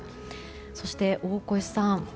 そして大越さん